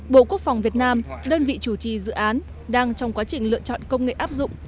bộ quốc phòng việt nam đơn vị chủ trì dự án đang trong quá trình lựa chọn công nghệ áp dụng